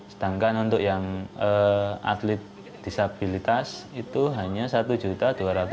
sedangkan untuk yang atlet disabilitas itu hanya satu juta dua ratus lima puluh